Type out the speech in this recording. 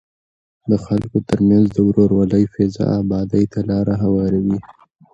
د خلکو ترمنځ د ورورولۍ فضا ابادۍ ته لاره هواروي.